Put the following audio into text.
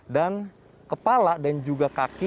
dan kepala dan juga kaki